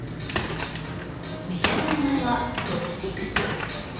店の名前はロスティクス。